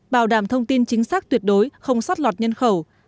bảo đảm thông tin chính xác tuyệt đối không xót lọt nhân khẩu